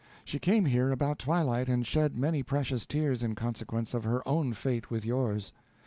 She came here about twilight, and shed many precious tears in consequence of her own fate with yours.